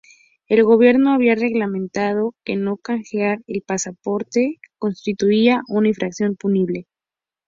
El gobierno había reglamentado que no canjear el pasaporte constituiría una infracción punible.